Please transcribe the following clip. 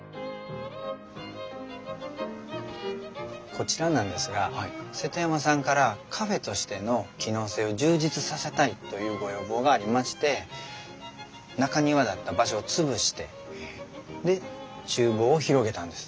こちらなんですが瀬戸山さんからカフェとしての機能性を充実させたいというご要望がありまして中庭だった場所を潰して厨房を広げたんです。